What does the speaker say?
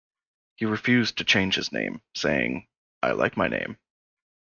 He refused to change his name, saying, I like my name.